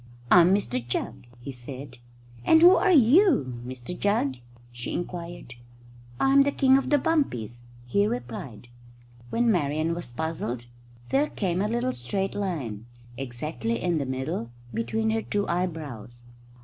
"I'm Mr Jugg," he said. "And who are you, Mr Jugg?" she inquired. "I'm the King of the Bumpies," he replied. When Marian was puzzled there came a little straight line, exactly in the middle, between her two eyebrows.